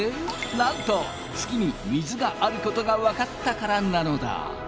なんと月に水があることが分かったからなのだ。